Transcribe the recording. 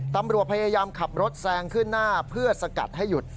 ตำรวจพยายามขับรถแซงขึ้นหน้าเพื่อสกัดให้หยุด